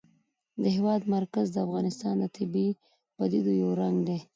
د هېواد مرکز د افغانستان د طبیعي پدیدو یو رنګ دی.